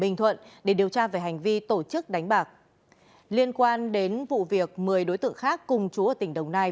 ninh thuận để điều tra về hành vi tổ chức đánh bạc liên quan đến vụ việc một mươi đối tượng khác cùng chú ở tỉnh đồng nai